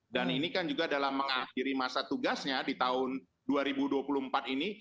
dan ini kan juga dalam mengakhiri masa tugasnya di tahun dua ribu dua puluh empat ini